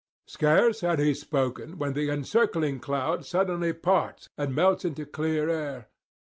Scarce had he spoken when the encircling cloud suddenly parts and melts into clear air.